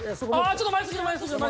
ちょっと前すぎる前すぎる！